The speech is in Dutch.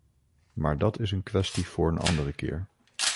Maar dat is een kwestie voor een andere keer.